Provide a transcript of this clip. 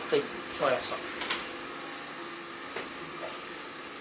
分かりました。